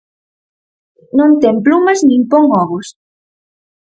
Non ten plumas nin pon ovos.